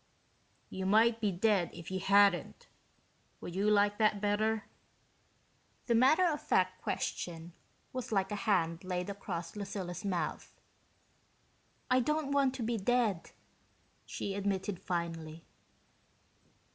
"You might be dead if you hadn't. Would you like that better?" The matter of fact question was like a hand laid across Lucilla's mouth. "I don't want to be dead," she admitted finally.